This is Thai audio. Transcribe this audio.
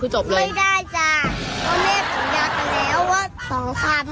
เราไม่อยากอ้วน